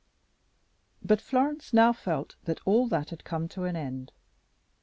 But Florence now felt that all that had come to an end.